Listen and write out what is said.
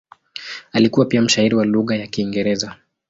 Alikuwa pia mshairi wa lugha ya Kiingereza.